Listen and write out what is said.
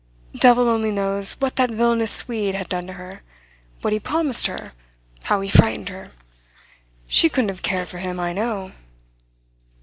"Devil only knows what that villainous Swede had done to her what he promised her, how he frightened her. She couldn't have cared for him, I know."